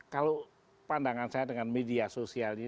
kalau pandangan saya dengan media sosial ini